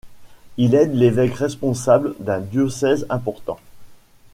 Il aide l'évêque responsable d'un diocèse important.